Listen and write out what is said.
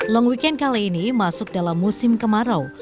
long weekend kali ini masuk dalam musim kemarau